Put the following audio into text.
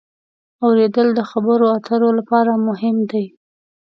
اورېدل د خبرو اترو لپاره مهم دی.